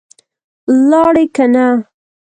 لاړې که نه؟